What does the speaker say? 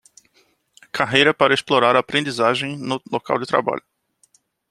Carreira para explorar a aprendizagem no local de trabalho